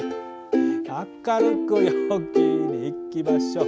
「明るく陽気にいきましょう」